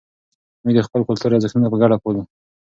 موږ د خپل کلتور ارزښتونه په ګډه پالو.